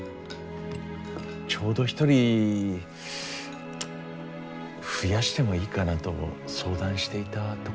ちょうど一人増やしてもいいかなと相談していたところですし。